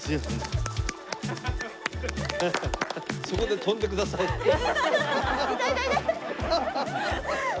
そこで跳んでください。